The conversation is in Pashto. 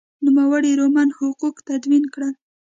نوموړي رومن حقوق تدوین کړل.